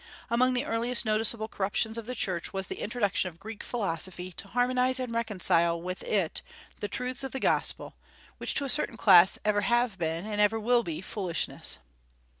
Among the earliest noticeable corruptions of the Church was the introduction of Greek philosophy to harmonize and reconcile with it the truths of the gospel, which to a certain class ever have been, and ever will be, foolishness.